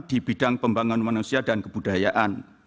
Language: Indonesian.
di bidang pembangunan manusia dan kebudayaan